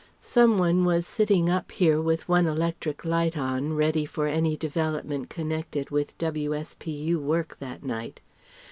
Some one was sitting up here with one electric light on, ready for any development connected with W.S.P.U. work that night.